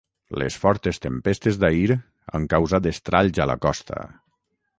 Les fortes tempestes d'ahir han causat estralls a la costa.